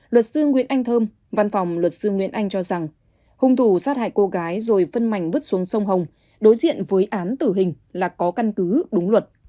luật sư nguyễn anh thơm văn phòng luật sư nguyễn anh cho rằng hung thủ sát hại cô gái rồi phân mảnh vứt xuống sông hồng đối diện với án tử hình là có căn cứ đúng luật